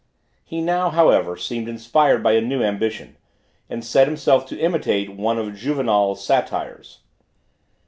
He now, however, seemed inspired by a new ambition, and set himself to imitate one of Juvenal's Satires.